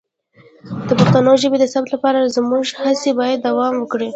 د پښتو ژبې د ثبت لپاره زموږ هڅې باید دوام وکړي.